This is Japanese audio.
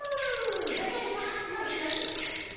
おじゃるさまノリノリ。